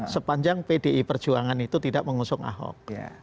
sepanjang pdi perjuangan itu tidak mengusung ahok